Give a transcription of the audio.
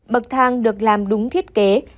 bậc thang được làm đúng thiết kế